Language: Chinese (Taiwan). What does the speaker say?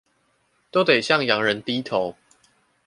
都得向洋人低頭